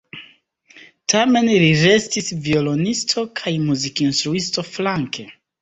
Tamen li restis violonisto kaj muzikinstruisto flanke.